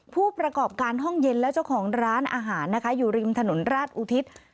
ผู้ประกอบการห้องเย็นและเจ้าของร้านอาหารนะคะอยู่ริมถนนราชอุทิศ